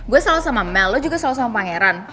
gue selalu sama mel lo juga selalu sama pangeran